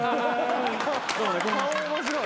顔面白い。